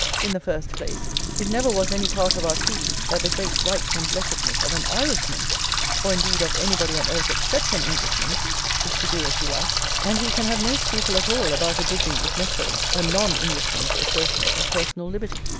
In the first place, it never was any part of our creed that the great right and blessedness of an Irishman, or, indeed, of anybody on earth except an Englishman, is to do as he likes; and we can have no scruple at all about abridging, if necessary, a non Englishman's assertion of personal liberty.